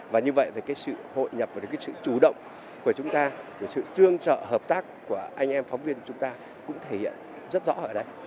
và như vậy thì cái sự hội nhập và cái sự chủ động của chúng ta sự tương trợ hợp tác của anh em phóng viên của chúng ta cũng thể hiện rất rõ ở đây